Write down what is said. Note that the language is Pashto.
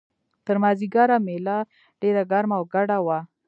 تر مازیګره مېله ډېره ګرمه او ډکه وه.